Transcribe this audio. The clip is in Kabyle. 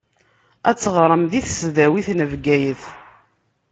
Ad teɣṛem di tesdawit n Bgayet.